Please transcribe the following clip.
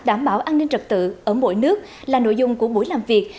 đảm bảo an ninh trật tự ở mỗi nước là nội dung của buổi làm việc